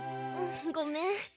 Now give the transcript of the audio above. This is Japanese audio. ごめん。